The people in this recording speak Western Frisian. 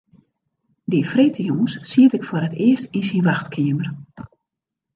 Dy freedtejûns siet ik foar it earst yn syn wachtkeamer.